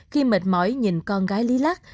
khi mệt mỏi nhìn con gái lý lắc